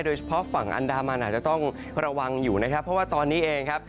โดยเฉพาะฝั่งอันดามันอาจจะต้องระวังอยู่นะครับเพราะว่าตอนนี้เองครับ